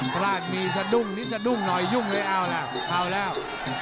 พลาดมีสะดุ้งนิดสะดุ้งหน่อยยุ่งเลยเอาล่ะเอาแล้ว